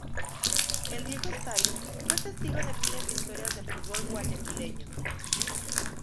El viejo estadio fue testigo de miles de historias del fútbol guayaquileño.